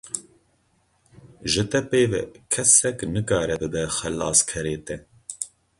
Ji te pê ve, kesek nikare bibe xelaskerê te.